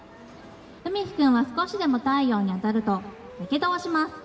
海陽くんは少しでも太陽に当たると、やけどをします。